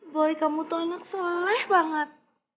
boy kamu tuh anak soleh banget